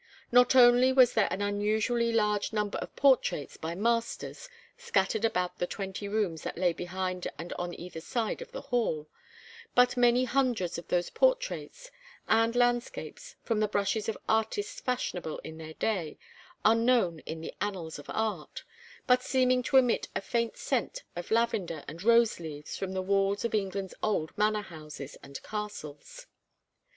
Not only was there an unusually large number of portraits by masters scattered about the twenty rooms that lay behind and on either side of the hall, but many hundreds of those portraits and landscapes from the brushes of artists fashionable in their day, unknown in the annals of art, but seeming to emit a faint scent of lavender and rose leaves from the walls of England's old manor houses and castles.